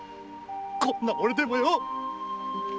こんな俺でもよぉ！